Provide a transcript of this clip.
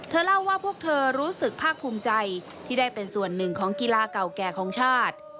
เล่าว่าพวกเธอรู้สึกภาคภูมิใจที่ได้เป็นส่วนหนึ่งของกีฬาเก่าแก่ของชาติ